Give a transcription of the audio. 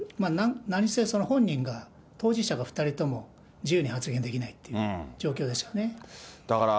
何せ、その本人が、当事者が２人とも自由に発言できないっていう状況ですからね。